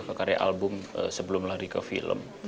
ke karya album sebelum lari ke film